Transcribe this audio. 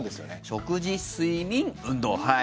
食事、睡眠、運動。